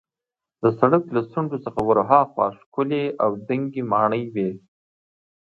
د سړک له څنډو څخه ورهاخوا ښکلې او دنګې ماڼۍ وې.